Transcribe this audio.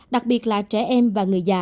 đặc biệt là trẻ em và những người xung quanh